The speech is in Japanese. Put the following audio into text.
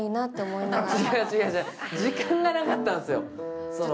時間がなかったんですよ。